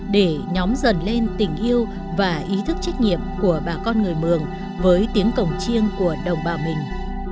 để nhóm dần lên tình yêu và ý thức trách nhiệm của bà con người mường với tiếng cổng chiêng của đồng bào mình